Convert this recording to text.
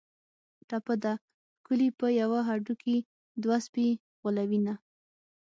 ټپه ده: ښکلي په یوه هډوکي دوه سپي غولوینه